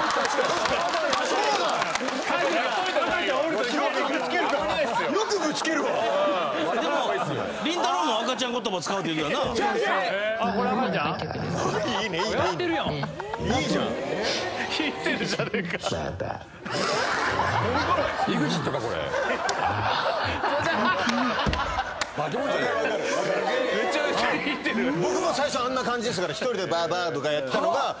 僕も最初あんな感じでしたから１人でバブバブとかやってたのが。